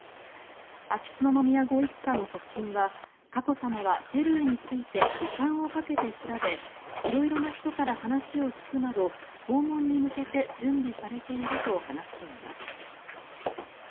秋篠宮ご一家の側近は佳子さまはペルーについて時間をかけて調べ色々な人から話を聞くなど訪問に向けて準備されていると話しています。